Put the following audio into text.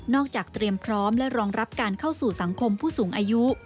เตรียมพร้อมและรองรับการเข้าสู่สังคมผู้สูงอายุ